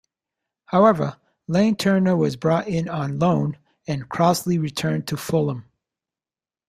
However Iain Turner was brought in on loan and Crossley returned to Fulham.